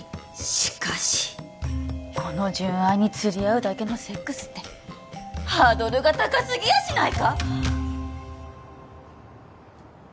しかしこの純愛につり合うだけのセックスってハードルが高すぎやしないか？